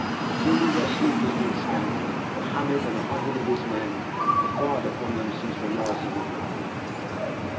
"Truly their sleep has been scanty; for Hamid and a hundred of his men have fired upon them since the rising of the moon."